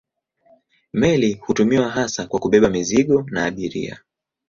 Meli hutumiwa hasa kwa kubeba mizigo na abiria.